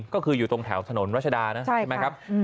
ก็คืออยู่ตรงแถวถนนรัชดานะใช่ไหมครับ